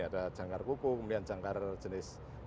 ada jangkar kuku kemudian jangkar jenis